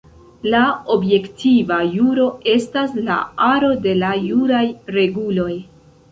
La objektiva juro estas la aro de la juraj reguloj.